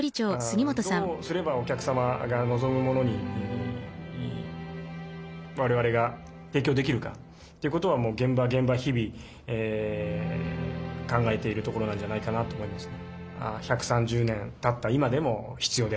どうすればお客様が望むものに我々が提供できるかということは現場現場日々考えているところなんじゃないかなと思いますね。